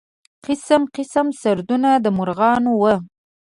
قسم قسم سرودونه د مرغانو و.